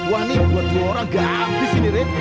wah ini buat dua orang nggak habis ini rep